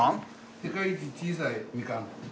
世界一小さいみかん。